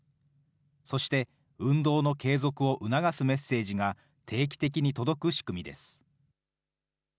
そして運動の継続を促すメッセージが定期的に届く仕組みです。